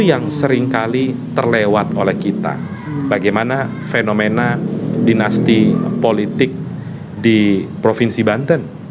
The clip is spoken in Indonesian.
yang seringkali terlewat oleh kita bagaimana fenomena dinasti politik di provinsi banten